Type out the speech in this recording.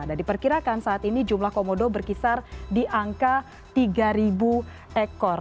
nah diperkirakan saat ini jumlah komodo berkisar di angka tiga ekor